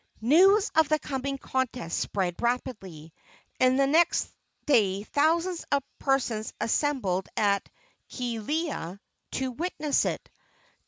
News of the coming contest spread rapidly, and the next day thousands of persons assembled at Kealia to witness it.